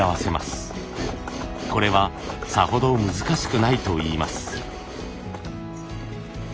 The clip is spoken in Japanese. これはさほど難しくないといいます。